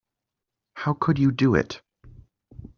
How could you do it?